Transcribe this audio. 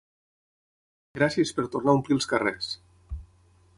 Gràcies per tornar a omplir els carrers!